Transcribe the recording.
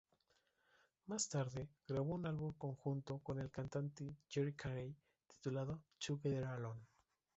Más tarde grabó un álbum conjunto con el cantante Gerry Carney, titulado ""Together Alone"".